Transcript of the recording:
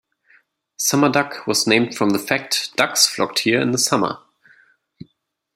Sumerduck was named from the fact ducks flocked here in the summer.